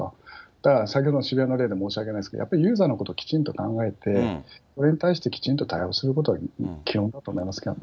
だから、先ほどの渋谷の例で申し上げましたけど、ユーザーのこときちんと考えて、それに対してきちんと対応することは基本だと思いますけどね。